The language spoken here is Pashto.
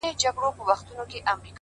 • خو نه څانګه په دنیا کي میندل کېږي,